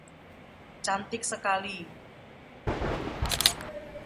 Cantik sekali!